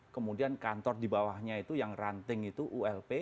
kemudian kantor di bawahnya itu yang ranting itu ulp